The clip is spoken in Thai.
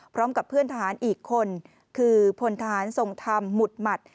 พร้อมกับเพื่อนทหารอีกคนคือพลทหารทรงธรรมหมุดหมัด